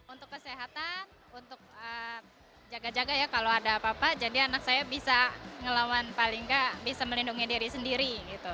untuk kesehatan untuk jaga jaga ya kalau ada apa apa jadi anak saya bisa ngelawan paling nggak bisa melindungi diri sendiri